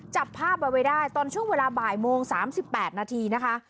จับภาพเอาไว้ได้ตอนช่วงเวลาบ่ายโมง๓๘นาทีนะคะ